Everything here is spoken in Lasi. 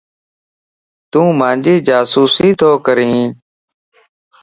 تون مانجي جاسوسي تو ڪرين؟